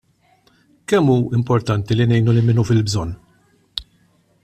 Kemm hu importanti li ngħinu lil min hu fil-bżonn?